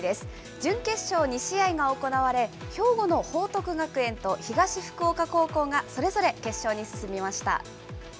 準決勝２試合が行われ、兵庫の報徳学園と東福岡高校がそれぞれ決勝に進みました。